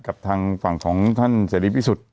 กับทางฝั่งของท่านเสรีพิสุทธิ์